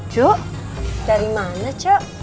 cuk dari mana cuk